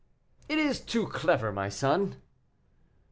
"It is too clever, my son."